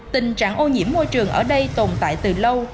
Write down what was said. tình trạng ô nhiễm môi trường ở đây tồn tại từ lâu